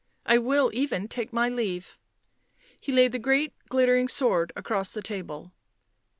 " I will even take my leave," he laid the great glittering sword across the table.